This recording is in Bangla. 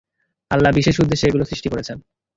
আল্লাহ বিশেষ উদ্দেশ্যে এগুলো সৃষ্টি করেছেন।